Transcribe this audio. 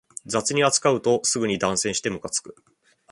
雑に扱うとすぐに断線してムカつく